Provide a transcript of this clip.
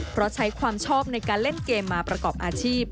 เพราะใช้ความชอบในการเล่นเกมมาประกอบอาชีพ